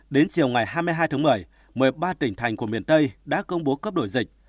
đến chiều ngày hai mươi hai tháng một mươi một mươi ba tỉnh thành của miền tây đã công bố cấp đổi dịch